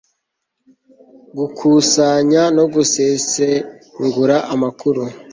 gukusanya no gusesengura amakuru